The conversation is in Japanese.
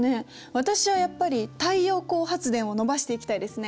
私はやっぱり太陽光発電を伸ばしていきたいですね。